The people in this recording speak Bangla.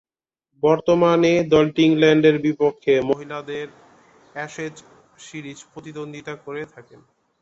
বর্তমানে দলটি ইংল্যান্ডের বিপক্ষে মহিলাদের অ্যাশেজ সিরিজে প্রতিদ্বন্দ্বিতা করে থাকে।